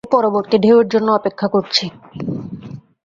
এখন পরবর্তী ঢেউয়ের জন্য অপেক্ষা করছি।